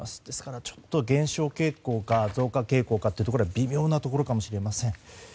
ですから、ちょっと減少傾向か増加傾向かは微妙なところかもしれません。